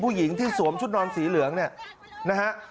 ผู้หญิงที่สวมชุดนอนสีเหลืองเนี่ยนะฮะ